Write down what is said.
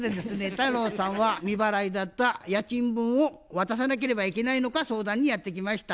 太郎さんは未払いだった家賃分を渡さなければいけないのか相談にやって来ました。